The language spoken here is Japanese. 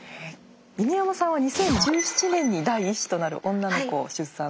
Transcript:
犬山さんは２０１７年に第一子となる女の子を出産されていますよね。